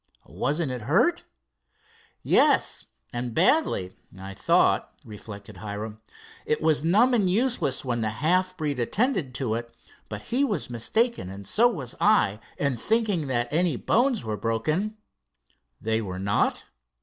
"Wasn't it hurt?" "Yes, and badly, I thought," reflected Hiram. "It was numb and useless when the half breed attended to it, but he was mistaken and so was I in thinking that any bones were broken." "They were not?"